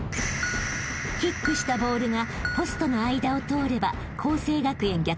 ［キックしたボールがポストの間を通れば佼成学園逆転